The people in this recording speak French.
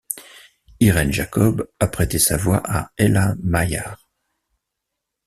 Irène Jacob a prêté sa voix à Ella Maillart.